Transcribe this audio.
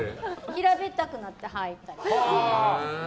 平べったくなって入ったりしてるの。